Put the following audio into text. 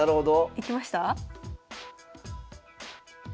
いきました？